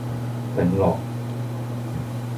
檸樂